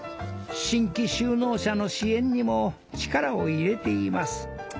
新規就農者の支援にも力を入れています。